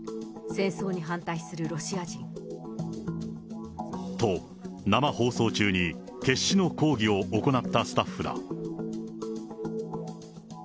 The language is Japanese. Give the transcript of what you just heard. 戦争に反対するロシア人。と、生放送中に決死の抗議を行ったスタッフだ。